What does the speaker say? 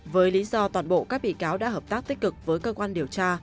với lý do toàn bộ các bị cáo đã hợp tác tích cực với cơ quan điều tra